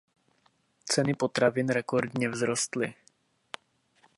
Ceny potravin rekordně vzrostly.